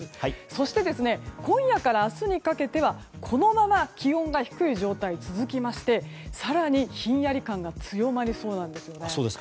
そして、今夜から明日にかけてはこのまま気温が低い状態、続きまして更にひんやり感が強まりそうなんです。